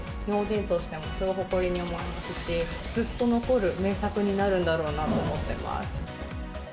日本人としてもすごい誇りに思いますし、ずっと残る名作になるんだろうなと思ってます。